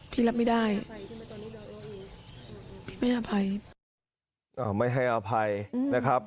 พี่รับไม่ได้ไม่อภัยอ๋อไม่ให้อภัยนะครับ